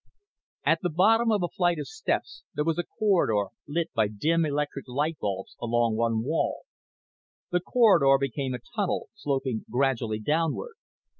At the bottom of a flight of steps there was a corridor lit by dim electric light bulbs along one wall. The corridor became a tunnel, sloping gradually downward.